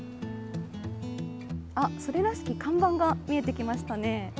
それらしき看板が見えてきましたね。